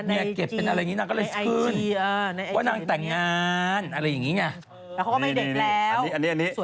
อ่าสวยเฟะ